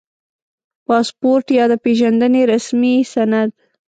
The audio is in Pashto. • پاسپورټ یا د پېژندنې رسمي سند